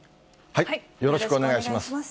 よろしくお願いします。